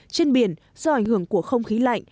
trên biển do ảnh hưởng của không khí lạnh